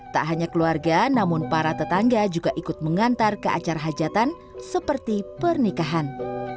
tak hanya keluarga namun para tetangga juga ikut mengantar ke acara hajatan seperti pernikahan